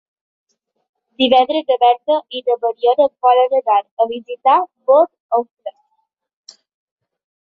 Divendres na Berta i na Mariona volen anar a visitar mon oncle.